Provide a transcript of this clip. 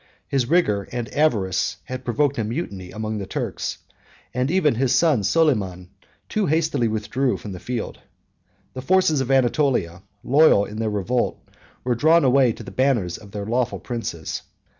His rigor and avarice 431 had provoked a mutiny among the Turks; and even his son Soliman too hastily withdrew from the field. The forces of Anatolia, loyal in their revolt, were drawn away to the banners of their lawful princes.